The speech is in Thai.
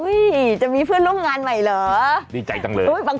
เอ่อจะมีเพื่อนร่องงานใหม่เหรอ